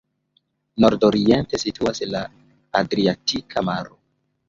Nord-oriente situas la Adriatika maro.